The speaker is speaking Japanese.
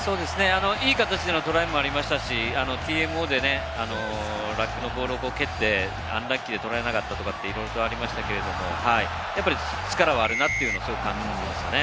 いい形でのトライもありましたし、ＴＭＯでラックのボールを蹴って、アンラッキーで取られなかったとかいろいろありましたけど、やっぱり力はあるなというのを感じましたね。